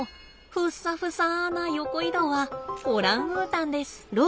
ふっさふさな横移動はオランウータンです。